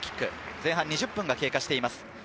前半２０分が経過しています。